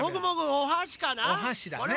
おはしだね。